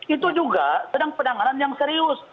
itu juga sedang penanganan yang serius